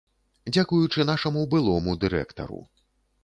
Дзякуючы нашаму былому дырэктару.